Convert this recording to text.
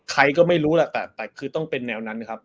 ใครก็ไม่รู้แหละแต่คือต้องเป็นแนวนั้นครับ